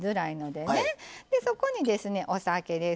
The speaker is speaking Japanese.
でそこにですねお酒です。